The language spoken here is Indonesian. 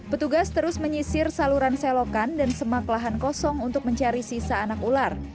petugas terus menyisir saluran selokan dan semak lahan kosong untuk mencari sisa anak ular